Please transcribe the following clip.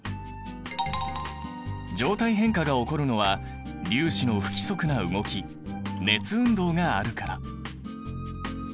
状態変化が起こるのは粒子の不規則な動き熱運動があるから。